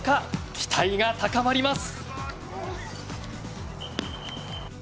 期待が高まります。